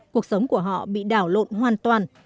cuộc sống của họ bị đảo lộn hoàn toàn